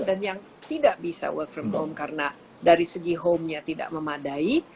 dan yang tidak bisa work from home karena dari segi home nya tidak memadai